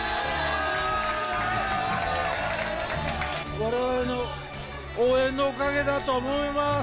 われわれの応援のおかげだと思います。